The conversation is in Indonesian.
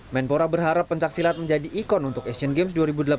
menpora berharap pencaksilat menjadi ikon untuk asian games dua ribu delapan belas